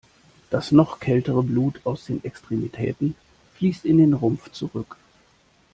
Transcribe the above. Das noch kältere Blut aus den Extremitäten fließt in den Rumpf zurück.